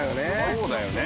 そうだよね